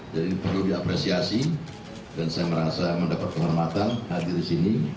jadi perlu diapresiasi dan saya merasa mendapat penghormatan hadir di sini